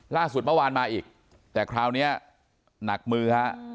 ล่าสุดเมื่อวานมาอีกแต่คราวนี้หนักมือฮะ